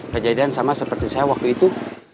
kejadian sama seperti saya waktu itu